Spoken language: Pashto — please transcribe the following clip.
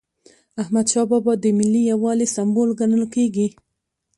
احمدشاه بابا د ملي یووالي سمبول ګڼل کېږي.